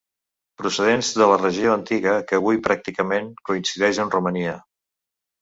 Procedents de la regió antiga que avui pràcticament coincideix amb Romania.